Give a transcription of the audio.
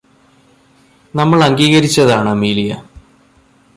നമ്മള് അംഗീകരിച്ചതാണ് അമേലിയ